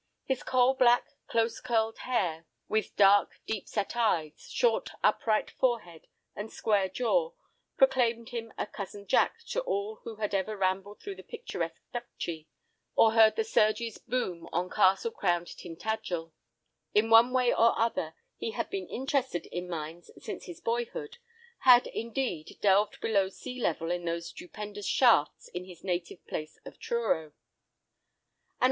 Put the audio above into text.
His coal black, close curled hair, with dark, deep set eyes, short, upright forehead, and square jaw proclaimed him a "Cousin Jack" to all who had ever rambled through the picturesque Duchy, or heard the surges boom on castle crowned Tintagil. In one way or other he had been interested in mines since his boyhood; had, indeed, delved below sea level in those stupendous shafts in his native place of Truro.